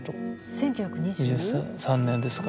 １９２０？３年ですか。